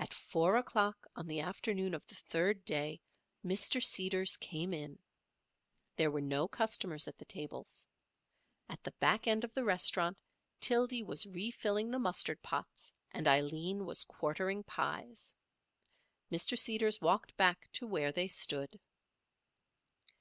At 4 o'clock on the afternoon of the third day Mr. Seeders came in. There were no customers at the tables. At the back end of the restaurant Tildy was refilling the mustard pots and Aileen was quartering pies. Mr. Seeders walked back to where they stood.